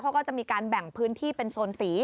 เขาก็จะมีการแบ่งพื้นที่เป็นโซนสี